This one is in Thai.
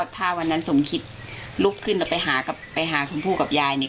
ถ้าวันนั้นสมคิดลุกขึ้นแล้วไปหาชมพู่กับยายเนี่ย